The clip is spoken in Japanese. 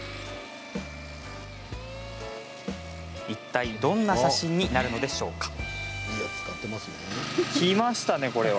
いったい、どんな写真になるのでしょうか？